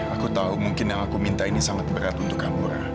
aku tahu mungkin yang aku minta ini sangat berat untuk kamura